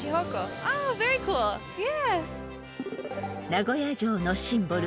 ［名古屋城のシンボル